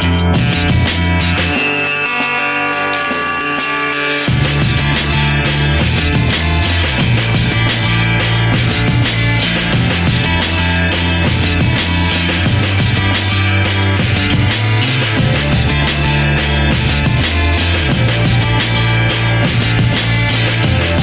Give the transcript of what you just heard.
หรือทรัพย์ที่มีอยู่ในวัด